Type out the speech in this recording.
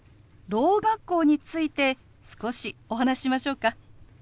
ろう学校について少しお話ししましょうか？